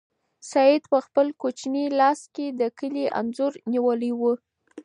سعید په خپل کوچني لاس کې د کلي انځور نیولی و.